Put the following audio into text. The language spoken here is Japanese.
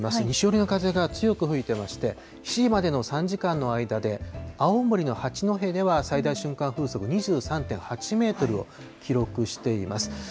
西寄りの風が強く吹いてまして、７時までの３時間の間で、青森の八戸では最大瞬間風速２３．８メートルを記録しています。